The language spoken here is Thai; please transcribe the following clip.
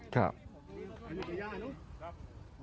ครับ